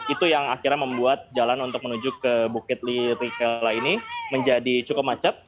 itu yang akhirnya membuat jalan untuk menuju ke bukit lirikela ini menjadi cukup macet